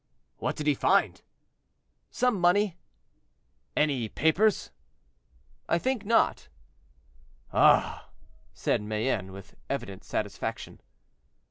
"What did he find?" "Some money." "Any papers?" "I think not." "Ah!" said Mayenne, with evident satisfaction.